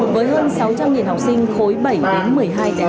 với hơn sáu trăm linh học sinh